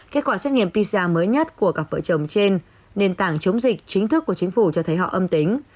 kết quả xét nghiệm pisa mới nhất của cặp vợ chồng trên nền tảng chống dịch chính thức của chính phủ cho thấy họ âm tính